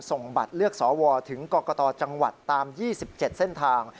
ส่งบัตรเลือกสวถึงกรกตจังหวัดตาม๒๗เส้นทาง